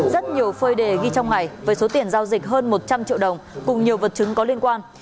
rất nhiều phơi đề ghi trong ngày với số tiền giao dịch hơn một trăm linh triệu đồng cùng nhiều vật chứng có liên quan